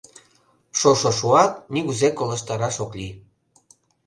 — Шошо шуат, нигузе колыштараш ок лий.